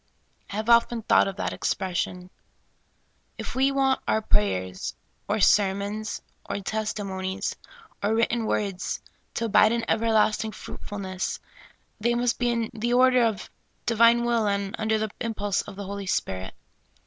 T have often thought of that expres sion. If we want our prayers, or sermons, or testi monies, or written words, to abide in everlasting fruit fulness, they must be in the order of Divine will and under the impulse of the Holy Spirit.